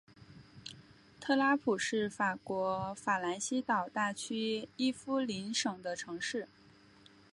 特拉普是法国法兰西岛大区伊夫林省的城市。